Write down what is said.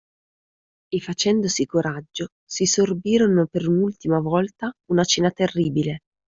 E, facendosi coraggio, si sorbirono per un’ultima volta una cena terribile